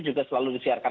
juga selalu disiarkan